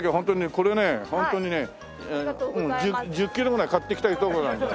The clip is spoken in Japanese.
これねホントにね１０キロぐらい買っていきたいとこなんだよ。